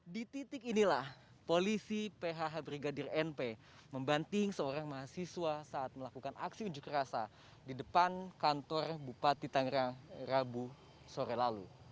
di titik inilah polisi phh brigadir np membanting seorang mahasiswa saat melakukan aksi unjuk rasa di depan kantor bupati tangerang rabu sore lalu